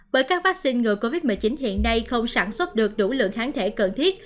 bởi các vaccine ngừa covid một mươi chín hiện nay không sản xuất được đủ lượng kháng thể cần thiết